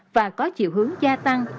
và có chiều hướng gia tăng